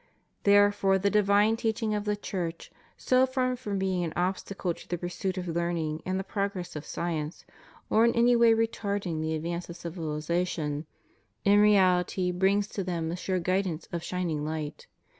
Therefore the divine teaching of the Church, so far from being an obstacle to the pursuit of learning and the progress of science, or in any way retardiiig the advance of civilization, in reality brings to them the sure guidance of shining light.